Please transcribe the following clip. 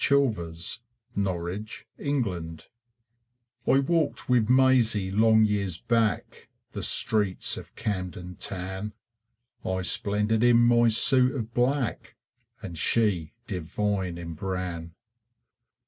THE BALLAD OF CAMDEN TOWN I walked with Maisie long years back The streets of Camden Town, I splendid in my suit of black, And she divine in brown.